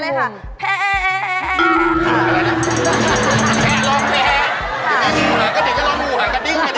ม้าร้องไงคะพี่นุ้ย